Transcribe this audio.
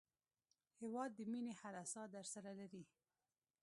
هېواد د مینې هره ساه درسره لري.